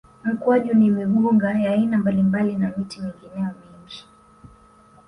Mkwaju na migunga ya aina mbalimbali na miti mingineyo mingi